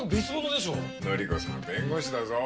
記子さんは弁護士だぞ。